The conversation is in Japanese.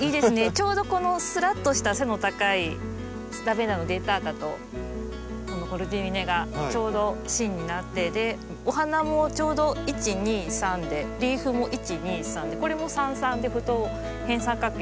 ちょうどこのすらっとした背の高いラベンダーのデンタータとコルジリネがちょうど芯になってお花もちょうど１２３でリーフも１２３でこれも３３で不等辺三角形で収まってますし。